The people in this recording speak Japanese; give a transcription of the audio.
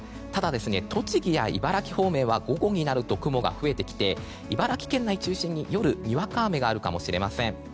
ただ栃木や茨城方面は午後になると雲が増えてきて、茨城県内中心に夜にわか雨があるかもしれません。